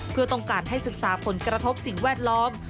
เพื่อต้องการให้ศึกษาผลกระทบสิ่งแวดล้อม